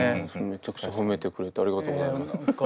めちゃくちゃ褒めてくれてありがとうございます。